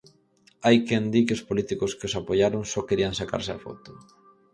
Hai quen di que os políticos que os apoiaron só querían sacarse a foto.